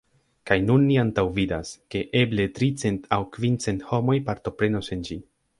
Kaj nun ni antaŭvidas, ke eble tricent aŭ kvincent homoj partoprenos en ĝi.